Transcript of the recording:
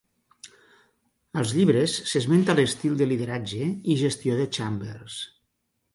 Als llibres s'esmenta l'estil de lideratge i gestió de Chambers.